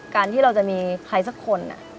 การที่เราจะมีใครสักคน